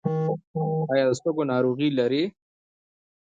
ایا د سږو ناروغي لرئ؟